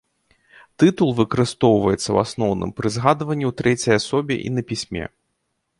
Тытул выкарыстоўваецца, у асноўным, пры згадванні ў трэцяй асобе і на пісьме.